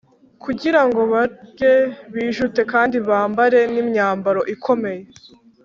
kugira ngo barye bijute kandi bambare n’imyambaro ikomeye